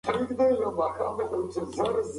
هغه وویل چې زده کړه هر چا ته پکار ده.